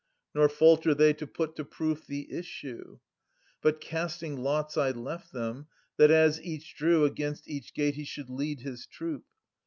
Nor falter they to put to proof the issue ; But casting lots I left them, that, as each Drew, against each gate he should lead his troop.